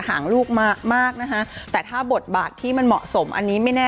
ห่างลูกมากมากนะคะแต่ถ้าบทบาทที่มันเหมาะสมอันนี้ไม่แน่